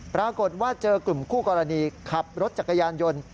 ปรากฏว่าเจอกลุ่มคู่กรณีขับรถจักรยานยนต์